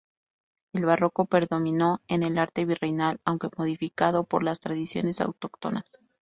El barroco predominó en el arte virreinal, aunque modificado por las tradiciones autóctonas.